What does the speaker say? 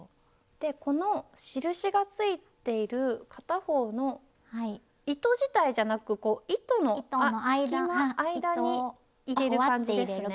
この印がついている片方の糸自体じゃなく糸の隙間間に入れる感じですね？